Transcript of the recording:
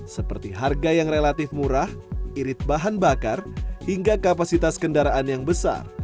seperti harga yang relatif murah irit bahan bakar hingga kapasitas kendaraan yang besar